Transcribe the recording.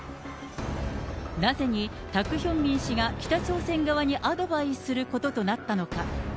なぜに、タク・ヒョンミン氏が北朝鮮側にアドバイスすることとなったのか。